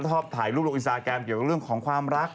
ถ้าถ่ายลูกลงอินสตาร์แกรมกับเรื่องของความรัก